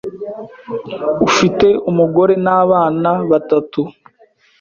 ufite umugore n’ abana batatu